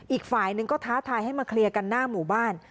อีกฝ่ายหนึ่งก็ท้าทายให้มาเคลียร์กันหน้าหมู่บ้าน